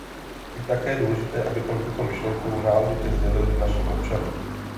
Je také důležité, abychom tuto myšlenku náležitě sdělili našim občanům.